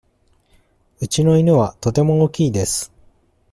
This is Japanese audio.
うちの犬はとても大きいです。